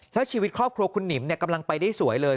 แล้วชีวิตครอบครัวคุณหนิมกำลังไปได้สวยเลย